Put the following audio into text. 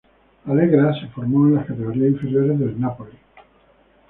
Allegra se formó en las categorías inferiores del Napoli.